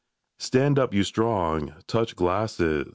Stand up, you Strong! Touch glasses!